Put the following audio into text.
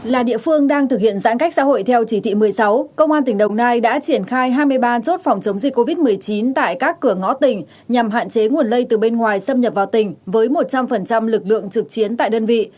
là địa phương đang thực hiện giãn cách xã hội theo chỉ thị một mươi sáu công an tỉnh đồng nai đã triển khai hai mươi ba chốt phòng chống dịch covid một mươi chín tại các cửa ngõ tỉnh nhằm hạn chế nguồn lây từ bên ngoài xâm nhập vào tỉnh với một trăm linh lực lượng trực chiến tại đơn vị